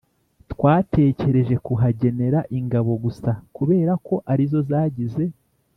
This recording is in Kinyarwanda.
twatekereje kukagenera ingabo gusa, kubera ko ari zo zagize